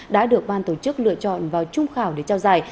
đã được ban tổ chức lựa chọn vào trung khảo để trao giải